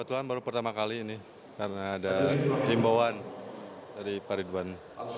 ini pertama kali ini karena ada imbauan dari pak ridwan